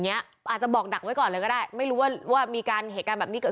อาจจะบอกดักไว้ก่อนเลยก็ได้ไม่รู้ว่าว่ามีการเหตุการณ์แบบนี้เกิด